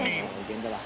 源田だ。